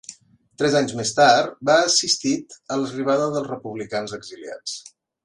Tres anys més tard va assistit a l'arribada dels republicans exiliats.